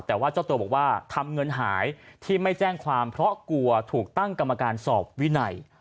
แต่ว่าเจ้าตัวบอกว่าทำเงินหายที่ไม่แจ้งความเพราะกลัวถูกตั้งกรรมการสอบวินัย